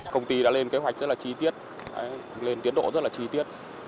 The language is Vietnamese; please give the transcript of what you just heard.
công ty đã lên kế hoạch rất là chi tiết lên tiến độ rất là chi tiết